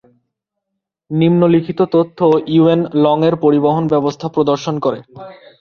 নিম্নলিখিত তথ্য ইউয়েন লং-এর পরিবহন ব্যবস্থা প্রদর্শন করে।